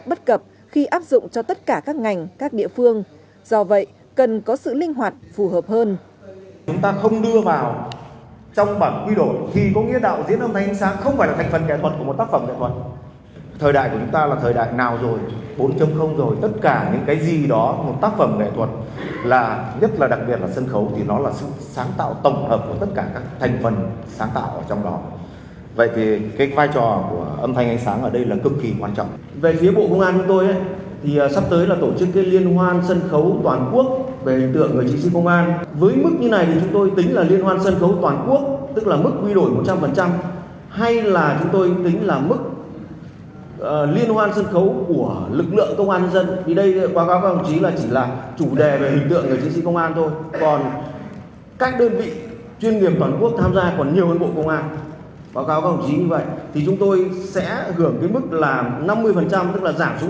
báo cáo các đơn vị như vậy thì chúng tôi sẽ hưởng cái mức là năm mươi tức là giảm xuống một phần hai hay là chúng tôi sẽ được hưởng mức một trăm linh